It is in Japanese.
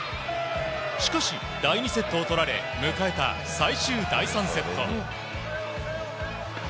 しかし、第２セットを取られ迎えた最終第３セット。